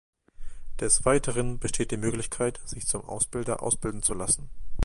Des Weiteren besteht die Möglichkeit, sich zum Ausbilder ausbilden zu lassen.